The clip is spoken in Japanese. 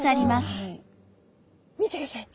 見てください